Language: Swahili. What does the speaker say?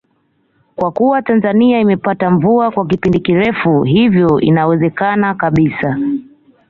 Kwa kuwa Tanzania imepata mvua kwa kipindi kirefu hivyo inawezekana kabisa